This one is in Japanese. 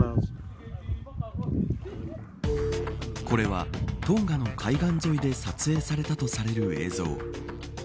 これはトンガの海岸沿いで撮影されたとされる映像。